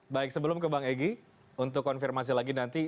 baik sebelum ke bang egy untuk konfirmasi lagi nanti